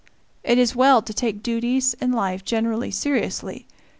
It is well to take duties, and life generally, seriously.